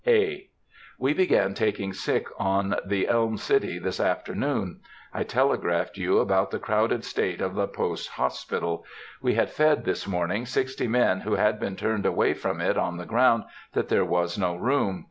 (A.) We began taking sick on the Elm City this afternoon. I telegraphed you about the crowded state of the post hospital. We had fed this morning sixty men who had been turned away from it on the ground that there was no room.